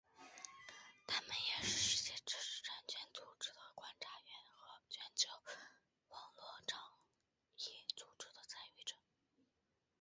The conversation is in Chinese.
他们也是世界知识产权组织的观察员和全球网络倡议组织的参与者。